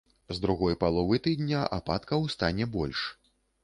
З другой паловы тыдня ападкаў стане больш.